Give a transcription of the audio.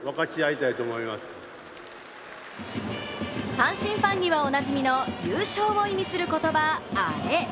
阪神ファンにはおなじみの優勝を意味する言葉、アレ。